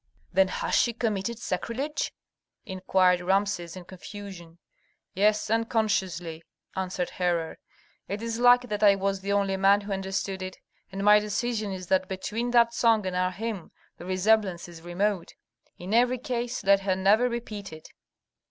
"Then has she committed sacrilege?" inquired Rameses, in confusion. "Yes, unconsciously," answered Herhor. "It is lucky that I was the only man who understood it, and my decision is that between that song and our hymn the resemblance is remote. In every case let her never repeat it."